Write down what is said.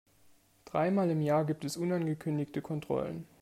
Dreimal im Jahr gibt es unangekündigte Kontrollen.